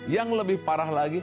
yang lebih parah lagi